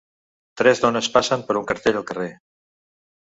Tres dones passen per un cartell al carrer.